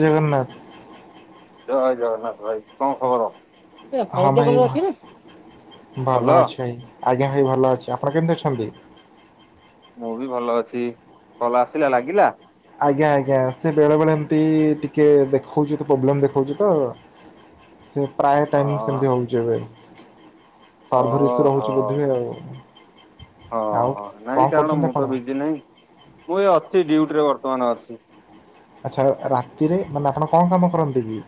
[inaudible] ଜଗନ୍ନାଥ। ଜୟ ଜଗନ୍ନାଥ ଭାଇ, କଣ ଖବର? ଏ ହଁ ହଳଦିଆ ଭାଇ, କଲର ଅଛି ନା? ଭଲ ଅଛି ଭାଇ ଆଜ୍ଞା ଭାଇ ଭଲ ଅଛି ଆପଣ କେମିତି ଅଛନ୍ତି? ମୁଁ ବି ଭଲ ଅଛି, କଲ୍ ଆସିଲା ଲାଗିଲା? ଆଜ୍ଞା ଆଜ୍ଞା ସେ ବେଳେ ବେଳେ ଏମତି ଟିକେ ଦେଖଉଛି ତ ପୋବ୍ଲେମ ଦେଖଉଛି ତ ସେ ପ୍ରାୟ ଅ ଟାଇମ୍ ସେମିତି ହଉଛି ଏବେ। ସର୍ଭର୍ ଇସ୍ୟୁ ଓହୋ ରହୁଛି ବୋଧେ ଆଉ, ଆଉ ହଁ ନାଇଁ କଣ କାରଣ ମୁଁ କରୁଛନ୍ତି ତ ଆପଣ? ବିଜି ନାହିଁ ମୁଁ ଏ ଅଛି ଡ୍ୟୁଟିରେ ବର୍ତ୍ତମାନ ଅଛି। ଆଚ୍ଛା ରାତିରେ, ମାନେ ଆପଣ କଣ କାମ କରନ୍ତି କି?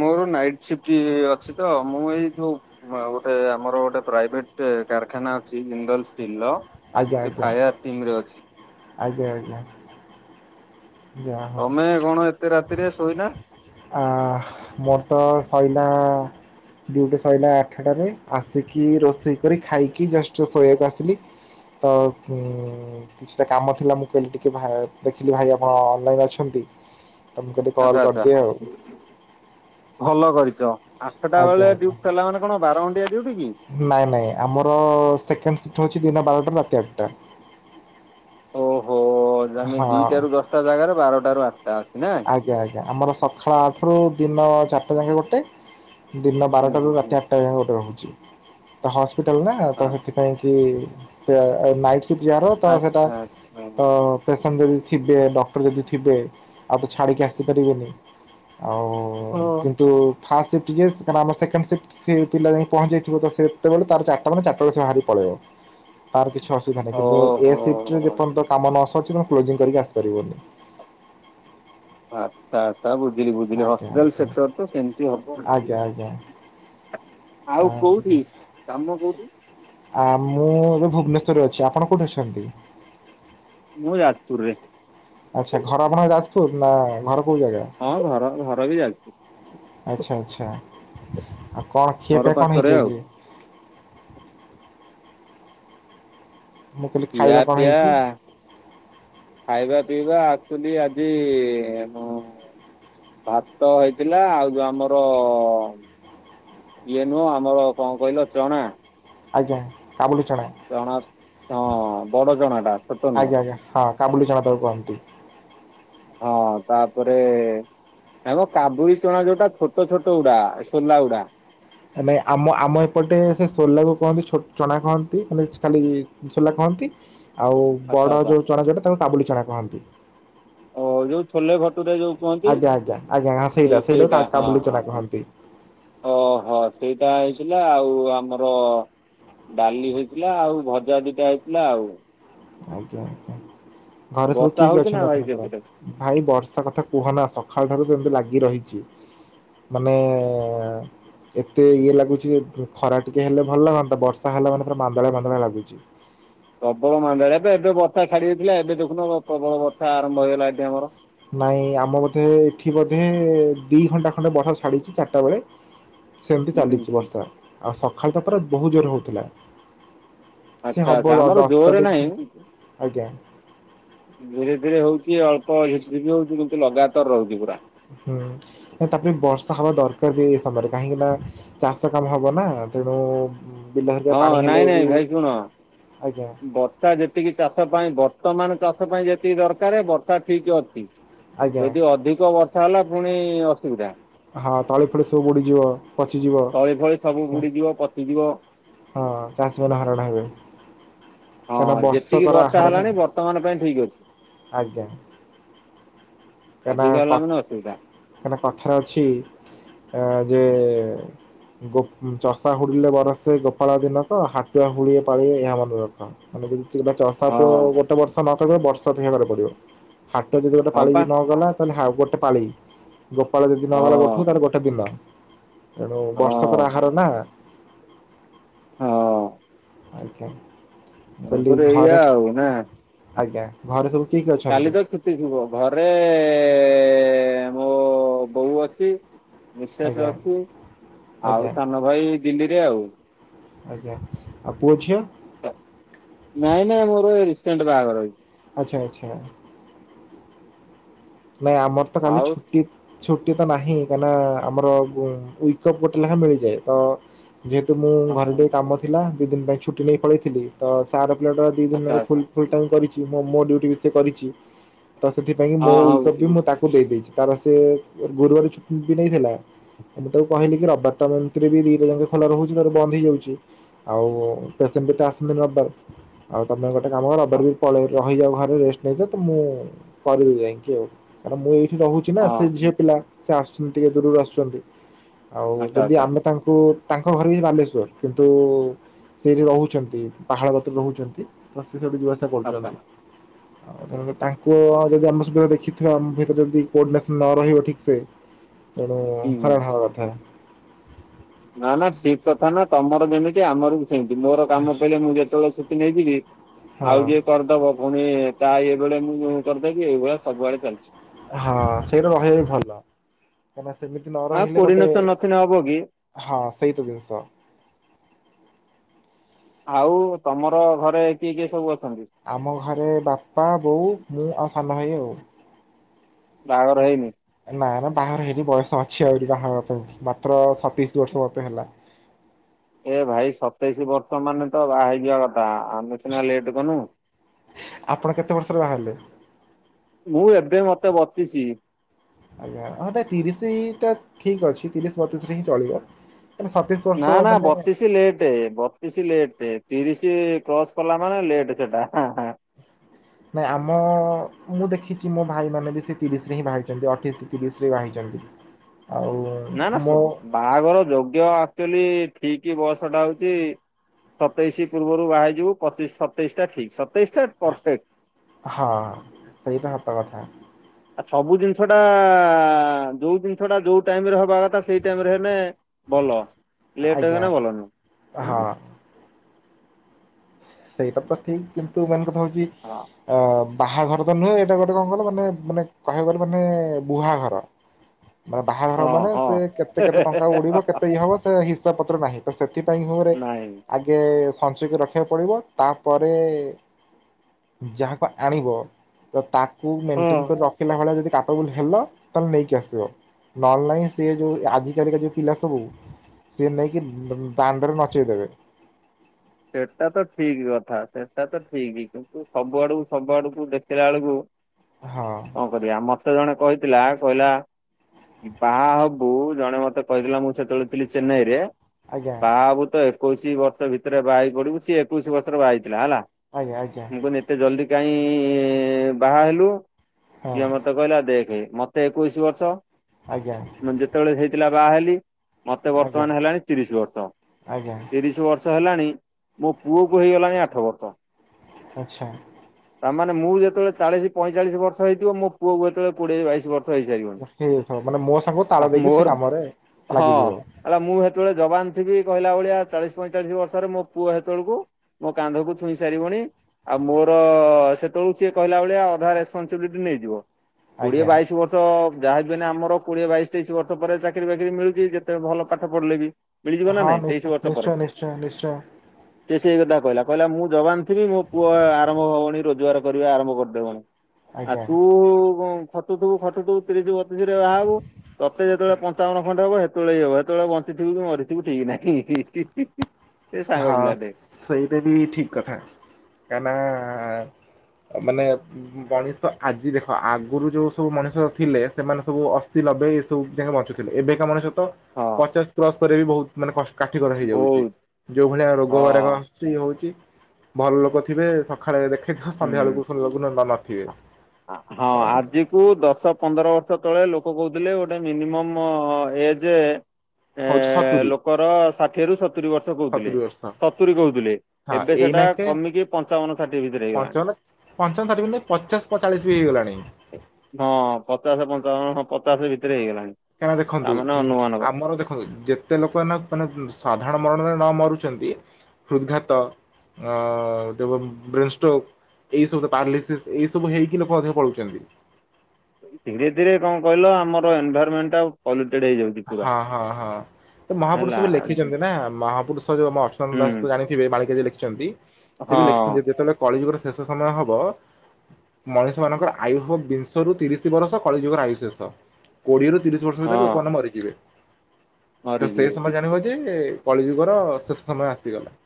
ମୋର ନାଇଟ୍ ସିଫ୍ଟ ଇ-ଇ ଅଛି ତ ମୁଁ ଏଇ ଯୋଉ ହଁ ଗୋଟେ ଆମର ଗୋଟେ ପ୍ରାଇଭେଟ୍ କାରଖାନା ଅଛି ଜିନ୍ଦଲ ଷ୍ଟିଲର। ଆଜ୍ଞା ଆଜ୍ଞା, ଆଜ୍ଞା ଆଜ୍ଞା। ଯାହା ହଉ ତମେ କଣ ଏତେ ରାତିରେ ଶୋଇନା? ଆ-ଆ ମୋର ତ ସଇଲା ଡ୍ୟୁଟି ସଇଲା ଆଠଟାରେ, ଆସିକି ରୋଷେଇ କରି ଖାଇକି ଜଷ୍ଟ ଶୋଇବାକୁ ଆସିଲି। ତ ଉଁ-ଉଁ-ଉଁ କିଛିଟା କାମ ଥିଲା ମୁଁ କହିଲି ଟିକେ ଭାଇ ଦେଖିଲି ଭାଇର। ହଁ ଅନଲାଇନ୍ ଅଛନ୍ତି। ତ ମୁଁ କହିଲି କଲ୍ ଆଚ୍ଛା ଆଚ୍ଛା କରିଦିଏ ଆଉ ଭଲ କରିଛ। ଆଠଟା ଆଜ୍ଞା ବେଳେ ଆଜ୍ଞା। ଡ୍ୟୁଟି ଥିଲା ମାନେ କଣ ବାର ଘଣ୍ଟିଆ ଡ୍ୟୁଟି କି? ନାଇଁ ନାଇଁ, ଆମର ସେକେଣ୍ଡ ସିଫ୍ଟ୍ ହଉଛି ଦିନ ବାରଟାରୁ ରାତି ଆଠଟା। ଓହୋଃ ଆମେ ହଁ ଦିଟାରୁ ଦଶଟା ଜାଗାରେ ବାରଟାରୁ ଆଠଟା ଅଛି ନା? ଆଜ୍ଞା ଆଜ୍ଞା ଆମର ସକାଳ ଆଠ ରୁ ଦିନ ଚାରିଟା ଯାକେ ଗୋଟେ ଦିନ ହୁଁ ବାରଟା ରୁ ହୁଁ ହୁଁ ରାତି ଆଠଟା ଯାଏଁ ଗୋଟେ ରହୁଛି। ହସ୍ପିଟାଲ ନା ତ ହଁ ସେଥିପାଇଁ କି ଏ ନାଇଟ୍ ଯାହାର ତ ସେଇଟା ଆଚ୍ଛା ଆଚ୍ଛା ତ ପେସେଣ୍ଟ ଯଦି ଥିବେ ଡକ୍ଟର ଯଦି ଥିବେ ଆଉ ତ ଛାଡ଼ିକି ଆସିପାରିବେନି ଆଉ ଓ କିନ୍ତୁ ଫାଷ୍ଟ ସିଫ୍ଟ [unintelligible] ଆମେ ସେକେଣ୍ଡ ସିଫ୍ଟ। ସେ ପିଲା ଯାଇଁ ପହଞ୍ଚିଯାଇଥିବ ତ ସେତେବେଳେ ତାର ଚାରିଟା ମାନେ ଚାରି ଟା ବେଳେ ସେ ବାହାରି ପଳେଇବ। ତାର କିଛି ଅସୁିଧା ନାହିଁ କିନ୍ତୁ ଏ ଶିଫ୍ଟ ରେ ଓହୋ। ପର୍ଯ୍ୟନ୍ତ କାମ ନ ସରିଛି ତମେ କ୍ଲୋଜିଂ କରିକି ଆସିପାରିବନି। ଆଚ୍ଛା ଆଛା ବୁଝିଲି ବୁଝିଲି ହସ୍ପିଟାଲ ସେକ୍ଟର ତ ସେମିତି ହବ। କି ଆଜ୍ଞା। ଆଉ କୋଉଠି କାମ କୋଉଠି? ଆ ମୁଁ ଏବେ ଭୁବନେଶ୍ୱରରେ ଅଛି ଆପଣ କୋଉଠି ଅଛନ୍ତି? ମୁଁ ଯାଜପୁରରେ। ଆଚ୍ଛା ଘର ଆପଣଙ୍କର ଯାଜପୁର ନା ଘର କୋଉ ଜାଗା। ହଁ ଘର ଘର ବି ଯାଜପୁର। ଆଛା ଆଛା ଆଉ କଣ ଘର ଖିଆପିଆ କଣ ପାଖରେ ହେଇଛି ଆଉ। ଆଜି? ମୁଁ କହିଲି ଖାଇବା କଣ ଖିଆପିଆ ହେଇଛି? ଖାଇବା ପିଇବା ଆକ୍ଚୁଆଲି ଆଜି ମ ଭାତ ହେଇଥିଲା ଆଉ ଯୋଉ ଆମର ଇଏ ନୁହଁ ଆମର କଣ କହିଲ ଚଣା ଆଜ୍ଞା କାବୁଲିଚଣା। ଚଣା ହଁ ବଡ ଚଣା ଟା ଛୋଟ ନୁହଁ। ଆଜ୍ଞା ହଁ। କାବୁଲି ଚଣା ତାକୁ କହନ୍ତି। ହଁ ତାପରେ ନା ମ କାବୁଲି ଚଣା ଯୋଉଟା ଛୋଟ ଛୋଟ ଗୁଡା ସୋଲା ଗୁଡା। ନାଇଁ ଆମ ଆମ ଏପଟେ ସେ ସୋଲାକୁୁ କୁହନ୍ତି ଛୋଟ ଚଣା କହନ୍ତି ମାନେ ଖାଲି ସୋଲା କହନ୍ତି ଆଉ ଆଚ୍ଛା ବଡ଼ ଆଚ୍ଛା ଯୋଉ ଚଣା ଜୋଟା ତାକୁ କାବୁଲି ଚଣା କହନ୍ତି। ଓ ଯୋଉ ଛୋଲେ ଭଟୁରେ ଯୋଉ କୁହନ୍ତି ଆଜ୍ଞା ଆଜ୍ଞା ଆଜ୍ଞା ହଁ ସେ କା ସେଇଟା ହଁ କାବୁଲି ହଁ ଚଣା ହଁ। କହନ୍ତି ଓହୋ ସେଇଟା ହେଇଥିଲା ଆଉ ଆମର ଡାଲି ହୋଇଥିଲା ଆଉ ଭଜା ଦିଟା ହେଇଥିଲା ଆଉ। ଆଜ୍ଞା ଆଜ୍ଞା ଘରେ ସବୁ ବର୍ଷା କିଏ କିଏ ହଉଛି ନା ଅଛନ୍ତି ଭାଇ ଆପଣଙ୍କର? ସେପଟେ ଭାଇ ବର୍ଷା କଥା କୁହନା ସକାଳ ଠାରୁ ସେମିତି ଲାଗି ରହିଛି। ମାନେ ଏତେ ଇଏ ଲାଗୁଛି ଯେ ଖରା ଟିକେ ହେଲେ ଭଲ ଲାଗନ୍ତା ବର୍ଷା ହେଲା ମାନେ ପୁରା ମାନ୍ଦଳା ମାନ୍ଦଳା ଲାଗୁଛି। ପ୍ରବଳ ମାନ୍ଦାଳିଆ ତ ଏବେ ଏବେ ବର୍ଷା ଛାଡି ଯାଇଥିଲା ଏବେ ଦେଖୁନ ପ୍ରବଳ ବର୍ଷା ଆରମ୍ଭ ହେଇଗଲା ଏଠି ଆମର। ନାଇଁ ଆମ ବୋଧେ ଏଠି ବୋଧେ ଦି ଘଣ୍ଟା ଖଣ୍ଡେ ବର୍ଷା ଛାଡିଛି ଚାରିଟା ବେଳେ। ସେମିତି ହୁଁ ହୁଁ ଚାଲିଛି ହୁଁ ବର୍ଷା ଆଉ ସକାଳୁ ତ ପୁରା ବହୁତ ଜୋର ହଉଥିଲା। ସେ ଆଚ୍ଛା ଆଚ୍ଛା ହବ ଆ ଆମର ଦଶ ଜୋରରେ ତାରିଖ ନାହିଁ ଧୀରେ ଧୀରେ ହଉଛି ଅଳ୍ପ ଝିପି ଝିପି ହଉଛି କିନ୍ତୁ ଲଗାତାର ରହୁଛି ପୁରା। ହୁଁ। ତାପରେ ବର୍ଷା ହବା ଦରକାର ବି ଏ ସମୟରେ କାହିଁକି ନା ଚାଷ କାମ ହବ ନା ତେଣୁ ବିଲ ହେରିକା ପାଣି ହଁ ନାଇଁ ହେଲେ ନାଇଁ ବି ଭାଇ ଶୁଣ ଆଜ୍ଞା। ବର୍ଷା ଯେତିକି ଚାଷ ପାଇଁ ବର୍ତ୍ତମାନ ଚାଷ ପାଇଁ ଯେତିକି ଦରକାର ବର୍ଷା ଠିକ ଅଛି। ଆଜ୍ଞା ଯଦି ଅଧିକ ବର୍ଷା ହେଲା ପୁଣି ଅସୁବିଧା। ହଁ ତଳି ଫଳି ସବୁ ବୁଡିଯିବ ପଚିଯିବ। ତଳି ଫଳି ସବୁ ବୁଡିଯିବ ପଚିଯିବ। ହଁ ଚାଷୀମାନେ ହଇରାଣ ହେବେ। କାହିଁକିନା ହଁ ଯେତିକି ବର୍ଷକର ବର୍ଷା ଆହାର ନା ହେଲାଣି ବର୍ତ୍ତମାନ ପାଇଁ ଠିକ ଅଛି। ଆଜ୍ଞା ଅଧିକ ହେଲା ମାନେ ଅସୁବିଧା। ମାନେ କଥାରେ ଅଛି ଆ ଯେ ଗୋ ଚଷା ହୁଡ଼ିଲେ ବରସେ ଗୋପାଳ ଦିନକ, ହାଟୁଆ ହୁଡ଼ିଏ ପାଳିଏ ଏହା ମନେ ରଖ। ମାନେ ଯଦି ଚଷା ହଁ ପୁଅ ଗୋଟେ ବର୍ଷ [unintelligible] ବର୍ଷକ [unintelligible] ପଡିବ ହାଟୁଆ ଯଦି ଗୋଟେ ହଁ ପା ପାଳିକି ନ ଗଲା, ତାହାଲେ ଗୋଟେ ପାଳି। ଗୋପାଳ ଯଦି ନଗଲା ଗୋଠୁକୁ, ହଁ ତାର ଗୋଟେ ଦିନ। ଏଣୁ ହଁ ବର୍ଷକର ଆହାର ନା ହଁ ଆଜ୍ଞା। ମୁଁ କହିଲି ଗପରେ ଏଇଆ ଘରେ ଆଉ ନା। ଆଜ୍ଞା ଘରେ ସବୁ କିଏ କିଏ ଅଛନ୍ତି? [unintelligible] ଘରେ ମୋ ବୋଉ ଅଛି। ମିସେସ ଆଜ୍ଞା ଅଛି, ଆଜ୍ଞା ଆଉ ସାନ ଭାଇ ଦିଲ୍ଲୀରେ ଆଉ। ଆଜ୍ଞା ଆଉ ପୁଅ ଝିଅ? ନାଇଁ ନାଇଁ ମୋର ଏଇ ରିସେଣ୍ଟ ବାହାଘର ହେଇ ଆଚ୍ଛା ଆଚ୍ଛା। ନାଇଁ ଆମର ତ କାଲି ଆଉ ଛୁଟି ଛୁଟି ତ ନାହିଁ, କାହିଁକି ନା ଆମର ୱିକ୍ ଅଫ ଗୋଟେ ଲେଖା ମିଳିଯାଏ। ତ ଯେହେତୁ ମୁଁ ଘରେ ଟିକେ କାମ ଥିଲା, ଦି ଦିନ ପାଇଁ ଛୁଟି ନେଇ ପଳେଇଥିଲି। ତ ସାର ପିଲାଟା ଦି ଆଚ୍ଛା ଦିନ ଆଚ୍ଛା ଫୁଲ୍ ଫୁଲ୍ ଟାଇମ କରିଛି, ମୋ ମୋ ଡିୟୁଟି ବି ସେ କରିଛି। ତ ସେଥିପାଇଁ ମୋ ହଁ ହଁ ୱିକ ଅଫ ବୁଝିଲି ବି ମୁଁ ବୁଝିଲି। ତାକୁ ବୁଝିଲି। ଦେଇଦେଇଛି। ତାର ସେ ଗୁରୁବାର ଛୁଟି ବି ନେଇଥିଲା। ମୁଁ ତାକୁ କହିଲି, ରବିବାରଟା ଏମିତିରେ ବି ଦିଟା ଯାକ ଖୋଲା ରହୁଛି ତୋର ବନ୍ଦ ହେଇଯାଉଛି। ଆଉ ପେସେଣ୍ଟ ବି ତ ଆସନ୍ତିନି ରବିବାର, ଆଉ ତମେ ଗୋ [unintelligible] ହଁ ରବିବାର ପଳେଇ ରହିଯାଅ ଘରେ ରେଷ୍ଟ ନେଇଯାଅ, ତ ମୁଁ କରିବି ଯାଇକି ଆଉ। କାରଣ ମୁଁ ଏଇଠି ରହୁଛି ନା, ସେ ହଁ ଝିଅ ପିଲା ସେ ଆସୁଛନ୍ତି ଟିକେ ଦୂରରୁ ଆସୁଛନ୍ତି। ଆଉ ଆଚ୍ଛା ଯଦି ଆଚ୍ଛା ଆମେ ତାଙ୍କୁ, ତାଙ୍କ ଘର ଯାଇ ବାଲେଶ୍ଵର। କିନ୍ତୁ ସେଇଠି ରହୁଛନ୍ତି ପାହାଳ କତିରେ ରହୁଛନ୍ତି। ତ ସେ ସେଇଠୁ ଯିବା ଆସି ଆଚ୍ଛା କରୁଛନ୍ତି, ଆଉ ତେଣୁକରି ତାଙ୍କୁ ଯଦି ଆମ ସେତେବେଳେ ଦେଖି [unintelligible] ଆମ ଭିତରେ ଯଦି କୋଡିନେସନ ନ ରହିବ ଠିକ ସେ, ତେଣୁ ହୁଁ ହୁଁ। ହଇରାଣ ହବା କଥା। ନା- ନା ଠିକ କଥା ନା, ତମର ଯେମିତି ଆମର ବି ସେମିତି। ମୋର କାମ ପଇଲେ ମୁଁ ଯେତେବେଳେ ସେ ନେଇଯିବି, ହଁ ଆଉ ଯିଏ କରିଦବ ପୁଣି ତା ଇଏବେଳେ ମୁଁ କରିଦେବି, ଏଇଭଳିଆ ସବୁଆଡେ ଚାଲିଛି। ହଁ ସେଇଟା ରହିବା ବି ଭଲ, କାହିଁକିନା ସେମିତି ନ ହଁ ରହିଲେ ଗୋଟେ କୋଡିନେସନ ନଥିଲେ ହବ କି ହଁ ସେଇ ତ ଜିନିଷ ଆଉ ତମର ଘରେ କିଏ କିଏ ସବୁ ଅଛନ୍ତି? ଆମ ଘରେ ବାପା, ବୋଉ, ମୁଁ ଆଉ ସାନ ଭାଇ ଆଉ। ବାହାଘର ହେଇନି? ନା ନା ବାହାଘର ହେଇନି, ବୟସ ଅଛି ଆହୁରି ବାହାହେବା ପାଇଁ କି। ମାତ୍ର ସତେଇଶୀ ବର୍ଷ ମତେ ହେଲା। ଏ ଭାଇ ସତେଇଶି ବର୍ଷ ମାନେ ତ, ବାହା ହେଇଯିବା କଥା। ଆମେ ସିନା ଲେଟ କଲୁ। ଆପଣ କେତେ ବର୍ଷରେ ବାହାହେଲେ? ମୁଁ ଏବେ ମତେ ବତିସି। ଆଜ୍ଞା ହଁ ତିରିଶଟା ଠିକ ଅଛି, ତିରିଶ ବତିଶରେ ହିଁ ଚଳିବ କାଇଁନା ସତେଇଶି ନାଁ- ନାଁ ବତିଶ ଲେ ଟ୍ ବତିଶି ଲେଟ୍ ତିରିଶ କ୍ରସ୍ କଲା ମାନେ, ଲେଟ ସେଟା ହଁ- ହଁ। ନାଇଁ ଆମ ମୁଁ ଦେଖିଛି, ମୋ ଭାଇମାନେ ବି ସେ ତିରିଶରେ ହିଁ ବାହା ହେଇଛନ୍ତି। ଅଠେଇଶ ତିରିଶରେ ବାହା ହେଇଛନ୍ତି। ଆଉ ନାଁ - ନାଁ ବାହାଘର ଯୋଗ୍ୟ ଆକ୍ଚୁଆଲି ଠିକ ବୟସଟା ହଉଛି ସତେଇଶି ପୂର୍ବରୁ ବାହାରିଯିବୁ, ପଚିଶ ସତେଇଶିଟା ଠିକ ସତେଇଶିଟା ପରଫେକ୍ଟ। ହଁ ସେଇଟା ସତ କଥା। ଆ ସବୁ ଜିନିଷଟା ଯୋଉ, ଜିନିଷଟା ଯୋଉ ଟାଇମରେ ହବା କଥା ସେଇ ଟାଇମରେ ହେଲେ ଭଲ ଲେଟ ହେଲେ ଆଜ୍ଞା ମାନେ ଭଲ ନୁହଁ। ହଁ। ସେଇଟା ତ ଠିକ କିନ୍ତୁ, ମେନ୍ କଥା ହଉଛି ହଁ ଅ ବାହାଘର ତ ନୁହେଁ ଏଇଟା ଗୋଟେ କଣ କହିଲ, ମାନେ ମାନେ କହିବାକୁ ଗଲେ ମାନେ ବୁହାଘର। ବାହାଘର ମାନେ ହଁ ସେ କେତେ କେତେ ଟଙ୍କା ଉଡିବ, ହଁ। କେତେ ଇଏ ହବ ସେ ହିସାବ ପତ୍ର ନାହିଁ। ତ ସେଥିପାଇଁ ମୁଁ [unintelligible] ନାଇଁ ଆଗେ ସଞ୍ଚୟ ର ଖି ବାକୁ ପଡ଼ିବ ତାପରେ ଯାହାକୁ ଆଣିବ ତ ତାକୁ ମୁଁ ମେଣ୍ଟେନ ହଁ କରି ରଖିଲା ଭଳିଆ ଯଦି କା ସବୁ ହେଲ ତ ନେଇକି ଆସିବ ନହେଲେନାଇ ସେ ଯୋଉ ଆଜିକାଲିକା ଯୋଉ ପିଲା ସବୁ ସିଏ ନେଇକି ଦାଣ୍ଡରେ ନଚେଇଦେବେ। ସେଟା ତ ଠିକ କଥା ସେଟା ତ ଠିକ କିନ୍ତୁ ସବୁଆଡକୁ ସବୁ ଆଡକୁ ଦେଖିଲା ବେଳକୁ ହଁ। କଣ କରିବା ମତେ ଜଣେ କହିଥିଲା କହିଲା ବାହା ହବୁ ଜଣେ ମତେ କହିଥିଲା ମୁଁ ସେତେବେଳେ ଥିଲି ଚେନ୍ନାଇ ରେ। ଆଜ୍ଞା ବାହାହବୁ ତ ଏକୋଇଶି ବର୍ଷ ଭିତରେ ବାହାହେଇ ପଡିବୁ ସିଏ ଏକୋଇଶି ବର୍ଷରେ ବାହା ହେଇ ଥିଲା ହେଲା। ଆଜ୍ଞା ଆଜ୍ଞା। ମୁଁ କହିଲି ଏତେ ଜଲ୍ଦୀ କାଇଁ ବାହା ହେଲୁ ହଁ ସିଏ ମତେ ମତେ କହିଲା ଦେଖେ ମତେ ଏକୋଇଶି ବର୍ଷ। ଆଜ୍ଞା। ମୁଁ ଯେତେବେଳେ ହେଇଥିଲା ବାହା ହେଲି। ମତେ ଆଜ୍ଞା ବର୍ତ୍ତମାନ ହେଲାଣି ତିରିଶ ବର୍ଷ ଆଜ୍ଞା ତିରିଶ ବର୍ଷ ବର୍ଷ ହେଲାଣି ମୋ ପୁଅ କୁ ହେଇଗଲାଣି ଆଠ ବର୍ଷ। ଆଚ୍ଛା। ତା ମାନେ ମୁଁ ଯେତବେଳେ ଚାଳିଶି ପଇଁଚାଳିଶ ବର୍ଷ ହେଇଥିବ ମୋ ପୁଅକୁ ହେତବେଳେ କୋଡିଏ ବାଇଶ ବର୍ଷ। ହେଇସାରିବଣି। ସେଇ ସ ମାନେ ମୋ ସାଙ୍ଗ ଆଉ ତାଳ ଦେଇକି ମୋର ସେ କାମ ରେ ହଁ ଲାଗିଯିବ। ହେଲା ମୁଁ ସେତେବେଳେ ଯବାନ ଥିବି କହିଲା ଭଳିଆ ଚାଳିଶ ପଇଁ ଚାଳିଶ ବର୍ଷରେ ମୋ ପୁଅ ସେତେବେଳକୁ ମୋ କାନ୍ଧକୁ ଛୁଇଁ ସାରିବଣି। ଆଉ ମୋର ସେତେବେଳକୁ ସିଏ କହିଲା ଭଳିଆ ଅଧା ରେସପନସିବିଲିଟି ନେଇଯିବ। କୋଡିଏ ଆଜ୍ଞା ବାଇଶ ବର୍ଷ ତ ଯାହାବି ହେନେ ଆମର କୋଡିଏ ବାଇଶ ତେଇଶି ବର୍ଷ ପରେ ଚାକିରି ବାକିରି ମିଳୁଛି ଯେତେ ଭଲ ପାଠ ପଢିଲେ ବି। ମିଳିଯିବ ନା ନାଇଁ ତେଇଶି ବର୍ଷ ପରେ? ଶ୍ଚୟ ନିଶ୍ଚୟ। ସେ ସେଇ କଥା କହିଲା କହିଲା ମୁଁ ଯବାନ ଥିବି ମୋ ପୁଅ ଆରମ୍ଭ ହବନି ରୋଜଗାର କରିବା ଆରମ୍ଭ କରିଦବଣି। ଆଉ ଆଜ୍ଞା। ତୁ ଖଟୁ ଥୁବୁ ଖଟୁ ଥୁବୁ ତିରିସି ବ ରେ ବାହାହବୁ ତତେ ଯେତେବେଳେ ପଞ୍ଚାବନ ଖଣ୍ଡେ ହବ ତଳେ ହବ ଏତେବେଳେ ବଞ୍ଚିଥିବୁ କି ମରିଥିବୁ ଠିକ ନାହିଁ। ସେ ସାଙ୍ଗ ହଁ ପିଲାଟେ ସେଇଟା ବି ଠିକ କଥା କାହିଁକି ନା ମାନେ ମଣିଷ ଆଜି ଦେଖ ଆଗରୁ ଯୋଉ ସବୁ ମଣିଷ ଥିଲେ ସେମାନେ ସବୁ ଅସ୍ଥି ଲବେ ସବୁ ଯକ ବଞ୍ଚୁଥିଲେ ଏବେକା ମଣିସତ ହଁ ପଚାଶ କ୍ରସ କରରେ ବି ବହୁତ ମାନେ କାଠିକର ହେଇଯାଉଛି। ବହୁତ ଯୋଉ ଭଳିଆ ରୋଗ ହଁ ବୈରାଗ ଆସୁଛି ଏ ହଉଛି ଭଲ ଲୋକ ଥିବେ ସକାଳେ ଦେଖେଇଥିବ ସନ୍ଧ୍ୟା ହୁଁ। ବେଳକୁ ନଥିବେ। ହଁ ଆଜି ଠୁ ଦଶ ପନ୍ଦର ବର୍ଷ ତଳେ ଲୋକ କହୁଥିଲେ ଗୋଟେ ମିନିମମ୍ ଏଜେ ଏ ହଉଛି ସତୁରି ଲୋକର ଷାଠିଏ ରୁ ସତୁରି ବର୍ଷ। କହୁଥିଲେ ସତୁରି ବର୍ଷ ସତୁରି କହୁଥିଲେ ହଁ ଏବେ ସେଟା ଏଇନାକେ କମିକି ପଞ୍ଚାବନ ଷାଠିଏ ଭିତରେ ହେଇଗଲାଣି। ପଞ୍ଚମ ଷାଠିଏ ପଚାଶ ପଇଁଚାଳିଶ ବି ହେଇଗଲାଣି। ହଁ ପଚାଶ ପଞ୍ଚାବନ ହଁ ପଚାଶ ଭିତରେ ହେଇଗଲାଣି। କାରଣ ଦେଖନ୍ତୁ ତାମାନେ ଅନୁମାନକ। ଆମର ଦେଖନ୍ତୁ ଯେ ତେ ଲୋକ ମାନେ ସାଧାରଣ ମରଣରେ ନ ମରୁଛନ୍ତି ହୃଦଘାତ, ଅ ବ୍ରେନଷ୍ଟୋକ। ଏଇ ସବୁ ତ ପାରଲିସିସ୍ ଏଇ ସବୁ ହେଇକି ଲୋକ ଅଧିକ ପଳଉଛନ୍ତି। ଧୀରେ ଧୀରେ କଣ କହିଲ ଆମର ଏନଭାଇରମେଣ୍ଟ ଟା ପଲ୍ୟୁଟେଡ ହେଇଯାଉଛି। ପୁରା। ହଁ ହଁ ହଁ ତ ହେଲା ମହାପୁରୁଷ ବି ଲେଖିଛନ୍ତି ନା ମହାପୁରୁଷ ଯୋଉ ମ ଅର୍ଚ୍ଚନ୍ତ ହୁଁ ଦାସ ଜାଣିଥି ମାଳିକା ଯେ ଲେଖିଛନ୍ତି ସେ ହଁ ବି ଲେଖିଛନ୍ତି ଯେତେବେଳେ କଳି ଯୁଗର ଶେଷ ସମୟ ହବ ମଣିଷ ମାନଙ୍କର ଆୟୁ ହବ ବିଂଶ ରୁ ତିରିଶ ବରଷ। କଳିଯୁଗର ଆୟୁ ଶେଷ କୋଡିଏରୁ ତିରିଶ ବର୍ଷ ହଁ ଭିତରେ ଲୋକମାନେ ମରିଯିବେ ତ ସେ ମରିଯିବେ ସମୟରେ ଜାଣିବ ଯେ କଳିଯୁଗର ଶେଷ ସମୟ ଆସିଗଲା।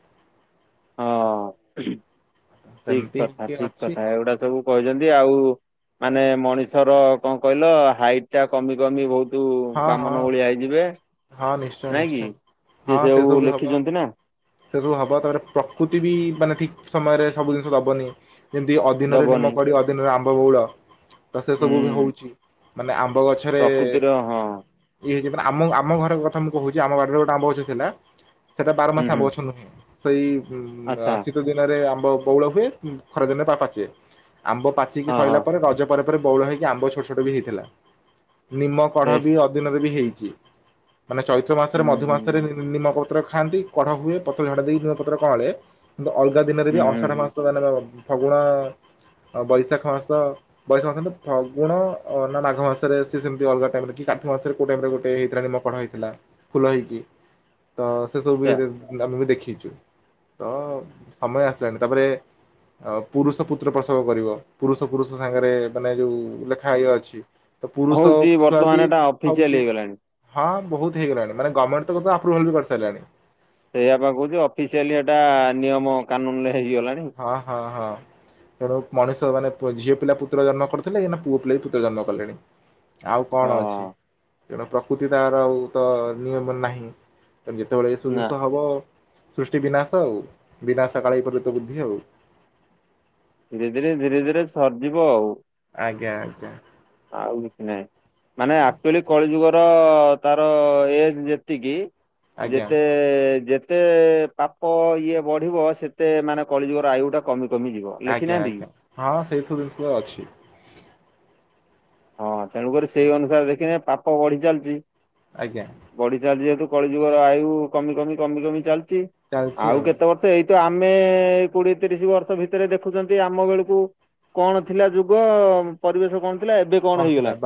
ହଁ ଠିକ ସେମିତି କଥା କି ଠିକ ଅଛି କଥା ଏଗୁଡା ସବୁ କହିଚନ୍ତି ଆଉ ମାନେ ମଣିଷର କଁ କହିଲ ହାଇଟ ଟା କମି କମି ବହୁତ ସବୁ ହଁ ହଁ ବାମନ ଭଳିଆ ହେଇଯିବେ ହଁ ନିଶ୍ଚୟ ନାଇଁ ନିଶ୍ଚୟ। କି। ସେ ହଁ ସେଇଆ କୁ ସବୁ ଆଉ ହବ ଲେଖିଚନ୍ତି ନା? ସେ ସବୁ ହବ ତାପରେ ପ୍ରକୃତି ବି ମାନେ ଠିକ୍ ସମୟରେ ସବୁ ଜିନିଷ ଦବନି। ଯେମିତି ଅଦିନରେ ଦବନି ନିମ କଢି ଅଦିନରେ ଆମ୍ବ ବଉଳ। ତ ସେ ସବୁ ବି ହୁଁ। ହଉଚି, ମାନେ ଆମ୍ବ ଗଛରେ ପ୍ରକୃତିର ହଁ ଇଏ ହେଇଚି ମାନେ ଆମ ଆମ ଘର କଥା ମୁଁ କହୁଚି ଆମ ବାଡିରେ ଗୋଟେ ଆମ୍ବ ଗଛ ଥିଲା। ସେଟା ବାର ମାସ ହୁଁ ଆମ୍ବ ହୁଁ ଗଛ ନୁହେଁ। ସେଇ ଉ ଆ ଆଚ୍ଛା ଶୀତ ଦିନରେ ଆମ୍ବ ବଉଳ ହୁଏ। ଖରା ଦିନରେ ତା ପାଚେ। ଆମ୍ବ ପାଚିକି ହଁ ସରିଲା ହଁ ପରେ ରଜ ପରେ ପରେ ବଉଳ ହେଇକି ଆମ୍ବ ଛୋଟ ଛୋଟ ବି ହେଇଥିଲା। ନିମକ୍ କଢ ବେଶ ବି ଅଦିନରେ ବି ହେଇଚି ମାନେ ଚୈତ୍ର ହୁଁ ମାସରେ ମଧୁ ହୁଁ ମାସରେ ମିନିମପଅ ତ୍ର ଖାଆନ୍ତି କଢ ହୁଏ ପତର ଝଡା ଦେଇଥିବା ପତ୍ର କଅଁଳେ କିନ୍ତୁ ଅଲଗା ଦିନରେ ବି ହୁଁ ହୁଁ ଅଷାଢ ହୁଁ ମାସ ମାନର ଫଗୁଣ ଅ ଆ ବୈଶାଖ ମାସ ବୈଶାଖ ମାସ ନା ଫଗୁଣ ଅ ନା ମାଘ ମାସରେ ସେ ସେମତି ଅଲଗା ତା ପରେ ଠିକ୍ କାର୍ତ୍ତିକ ମାସରେ କୋଉ ଟାଇମ୍ ରେ ଗୋଟେ ଇଏ ହେଇଥିଲା, କଢ ହେଇଥିଲା, ଫୁଲ ହେଇଚି। ତ ସେ ସବୁ ତ ବି ଆମେ ବି ଦେଖିଚୁ। ତ ସମୟ ଆସିଲାଣି ତାପରେ ଆଉ ପୁରୁଷ ପୁତ୍ର ପ୍ରସବ କରିବ। ପୁରୁଷ ପୁରୁଷ ସାଙ୍ଗରେ ମାନେ ଯୋଉ ଲେଖା ଇଏ ଅଛି। ତ ପୁରୁଷ ହଉଛି ଛୁଆ ବର୍ତ୍ତମାନ ବି ଏଟା ଅଫିସିଆଲି ହଉଚି। ହେଇଗଲାଣି। ହଁ ବହୁତ୍ ହେଇଗଲାଣି ମାନେ ଗମେଣ୍ଟ ତାକୁ ପୁରା ଆପ୍ରୁଭାଲ ବି କରିସାଇଲାଣି। ସେଇଆ ପା କହୁଚି ଅଫିସିଆଲି ଏଟା ନିୟମ କାନୁନ ରେ ହେଇଗଲାଣି। ହ ହ ହ। ତେଣୁ ମଣିଷ ମାନେ ପୁଅ ଝିଅ ପିଲା ପୁତ୍ର ଜନ୍ମ କରୁଥିଲେ ଏ ନା ପୁଅ ପିଲା ବି ପୁତ୍ର ଜନ୍ମ କଲେଣି। ଆଉ କଣ ହଁ ଅଛି? ତେଣୁ ପ୍ରକୃତି ତାର ଆଉ ତ ନିୟମ ରେ ନାହିଁ। ତାର ଯେତେବେଳେ ଏସବୁ ନା। ଜିନିଷ ହବ, ସୃଷ୍ଟି ବିନାଶ ଆଉ। ବିନାଶ କାଳେ ବିପରୀତ ବୁଦ୍ଧି ଆଉ। ଧୀରେ ଧୀରେ ଧୀରେ ଧୀରେ ସରଯିବ ଆଉ। ଆଜ୍ଞା ଆଜ୍ଞା। ଆଉ କିଛି ନାହିଁ। ମାନେ ଆକ୍ଚୁଆଲି କଳି ଯୁଗର ତାର ଏଜ୍ ଯେତିକି ଆଜ୍ଞା। ଯେତେ ଏ ଯେତେ ପାପ ଇଏ ବଢ଼ିବ, ସେତେ ମାନେ କଳିଯୁଗର ଆୟୁଟା କମି କମିଯିବ। ଆଜ୍ଞା ଆଜ୍ଞା ହଁ, ସେଇ ସବୁ ଜିନିଷରେ ଅଛି। ହଁ, ତେଣୁକରି ସେଇ ଅନୁସାରେ ଦେଖିନେ ପାପ ବଢି ଚାଲିଚି। ଆଜ୍ଞା। ବଢି ଚାଲିଚି ଯେହେତୁ କଳି ଯୁଗର ଆୟୁ କମି କମି କମି କମି ଚାଲିଚି। ଆଉ କେତ ବର୍ଷ ସେଇ ତ ଆମେ କୋଡିଏ ତିରିଶ ବର୍ଷ ଭିତରେ ଦେଖୁଛନ୍ତି ଆମ ବେଳକୁ କଣ ଥିଲା ଯୁଗ ପରିବେଶ କଣ ଥିଲା? ଏବେ କଣ ଥିଲା ବ?